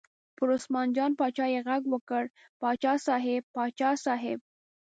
پر عثمان جان باچا یې غږ وکړ: باچا صاحب، باچا صاحب.